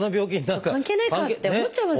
関係ないかって思っちゃいますよね。